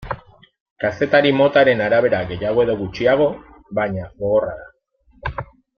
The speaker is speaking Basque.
Kazetari motaren arabera gehiago edo gutxiago, baina, gogorra da.